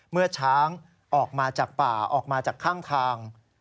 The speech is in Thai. เมื่อช้างออกมาจากป่าออกมาจากข้างทาง